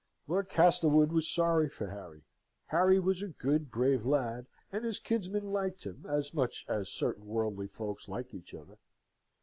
Lord Castlewood was sorry for Harry: Harry was a good, brave lad, and his kinsman liked him, as much as certain worldly folks like each other.